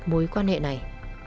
mối quan hệ này